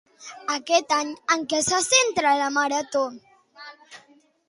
Aquest any, en què se centra La Marató?